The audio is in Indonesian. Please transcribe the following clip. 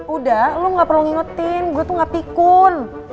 udah lo gak perlu ngingetin gue tuh gak pikun